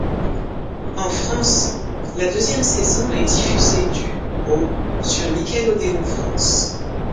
En France, la deuxième saison est diffusée du au sur Nickelodeon France.